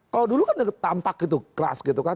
kalau dulu kan tampak itu keras gitu kan